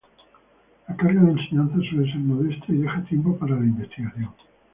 La carga de enseñanza suele ser modesta y deja tiempo para la investigación.